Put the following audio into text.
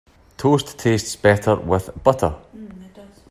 Toast tastes best with butter.